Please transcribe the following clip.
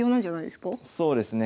そうですね。